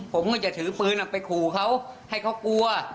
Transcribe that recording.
ผมก็จะถือปืนไปขู่เขาให้เขากลัว